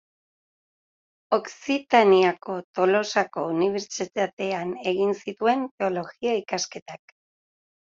Okzitaniako Tolosako unibertsitatean egin zituen Teologia ikasketak.